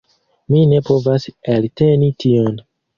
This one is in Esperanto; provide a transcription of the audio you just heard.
Mi ne povas elteni tion.